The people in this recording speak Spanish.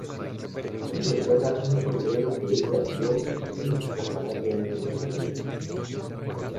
Sally recuerda un sombrero que ella vio en un escaparate antes ese día.